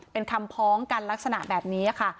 เป็นคำพ้องกันลักษณะแบบนี้ค่ะ